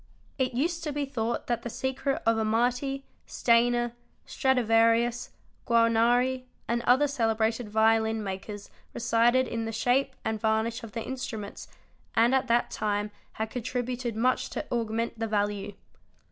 It used to be thought that the secret of Amati, Stainer, Stradivarius, Guarnari, and other celebrated violin makers resided in the shape and | varnish of the instruments and that time had contributed much to augment the value.